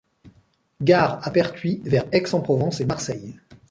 Gare à Pertuis vers Aix-en-Provence et Marseille.